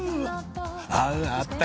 ああった！